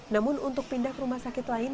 namun untuk pindah ke rumah sakit lain